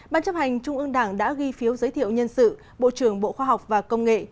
ban chấp hành trung ương đảng đã ghi phiếu giới thiệu nhân sự bộ trưởng bộ khoa học và công nghệ